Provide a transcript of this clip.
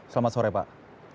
selamat sore pak